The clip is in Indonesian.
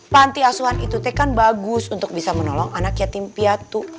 panti asuhan itute kan bagus untuk bisa menolong anak yatim piatu